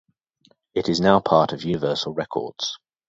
It is now part of Universal Records.